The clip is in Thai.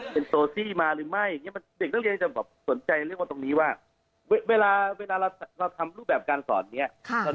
เป็นโซซี่มาหรือไม่อย่างนี้เด็กนักเรียนจะแบบสนใจเรื่องว่าตรงนี้ว่าเวลาเราทำรูปแบบการสอนเนี่ย